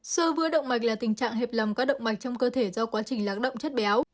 sờ vỡ động mạch là tình trạng hẹp lầm các động mạch trong cơ thể do quá trình lãng động chất béo